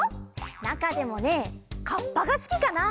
なかでもねカッパがすきかな。